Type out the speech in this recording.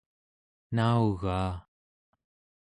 naugaa